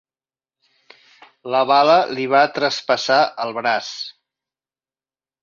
La bala li va traspassar el braç.